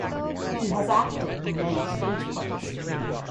He has acted in many stage plays.